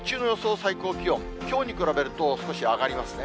最高気温、きょうに比べると、少し上がりますね。